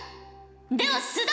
では須田。